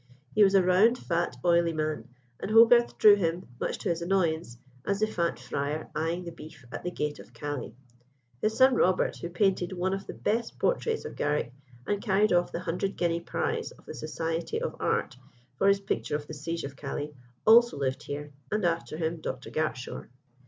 He was a round, fat, oily man; and Hogarth drew him, much to his annoyance, as the fat friar eyeing the beef at the "Gate of Calais." His son Robert, who painted one of the best portraits of Garrick, and carried off the hundred guinea prize of the Society of Arts for his picture of the "Siege of Calais," also lived here, and, after him, Dr. Gartshore.